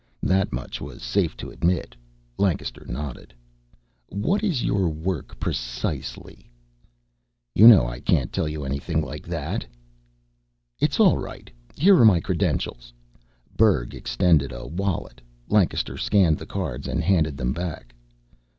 That much was safe to admit. Lancaster nodded. "What is your work, precisely?" "You know I can't tell you anything like that." "It's all right. Here are my credentials." Berg extended a wallet. Lancaster scanned the cards and handed them back.